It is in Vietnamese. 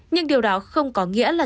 nhưng điều đó không có nghĩa là